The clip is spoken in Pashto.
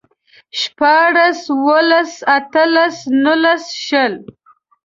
شپاړلس، اوولس، اتلس، نولس، شل